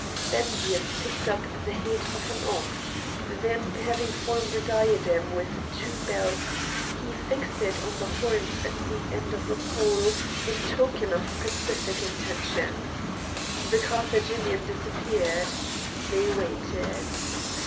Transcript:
Spendius picked up the head of an ox; then having formed a diadem with two belts, he fixed it on the horns at the end of a pole in token of pacific intentions. The Carthaginian disappeared. They waited.